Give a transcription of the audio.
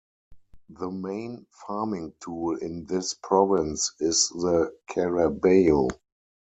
The main farming tool in this province is the carabao.